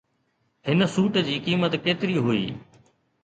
هن سوٽ جي قيمت ڪيتري هئي؟